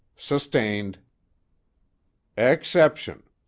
"Sustained." "Exception.